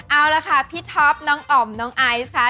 เอาละค่ะพี่ท็อปน้องอ๋อมน้องไอซ์ค่ะ